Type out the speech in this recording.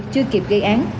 chưa kịp gây án